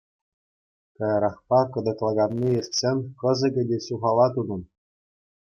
Каярахпа, кӑтӑкланаканни иртсен, кӑсӑкӗ те ҫухалать унӑн.